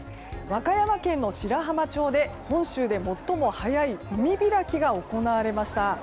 和歌山県の白浜町で本州で最も早い海開きが行われました。